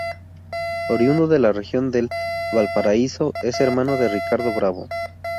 Oriundo de la Región de Valparaíso, es hermano de Ricardo Bravo.